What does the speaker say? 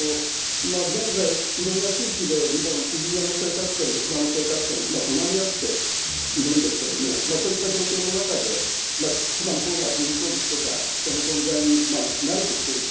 現在いろんな地域で人間の生活圏とクマの生活圏が隣り合っているんですけれどもそういった状況の中でクマの方が人工物とか人の存在に慣れてきている。